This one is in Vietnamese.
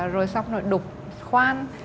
rồi xong rồi đục khoan